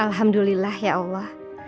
alhamdulillah ya allah